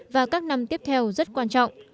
và các năm tiếp theo rất quan trọng